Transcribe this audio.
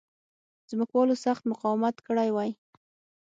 ځمکوالو سخت مقاومت کړی وای.